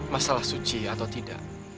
masalah suci atau tidak